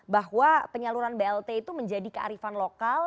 bahwa penyaluran blt itu menjadi kearifan lokal